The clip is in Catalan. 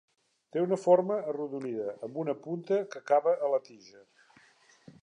Té una forma arrodonida amb una punta que acaba a la tija.